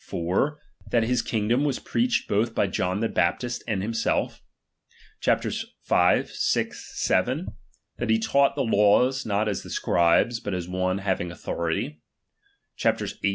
iv., that ^H his kingdom was preached both by John the Bap ^H tist and himself : chapters v. vi. vii., that he taught ^H the laws, not as the Scribes, but as one having au ^H thority : chapters viii.